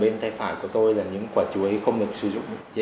bên tay trái là những quả chuối không được sử dụng